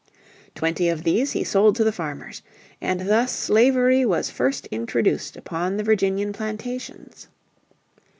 Twenty of these he sold to the farmers. And thus slavery was first introduced upon the Virginian plantations.